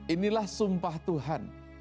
inilah sumpah tuhan